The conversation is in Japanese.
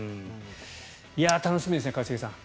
楽しみですね一茂さん。